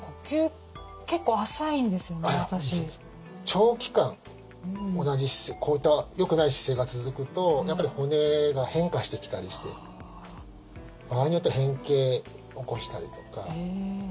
長期間同じ姿勢こういったよくない姿勢が続くとやっぱり骨が変化してきたりしてでもショックですね。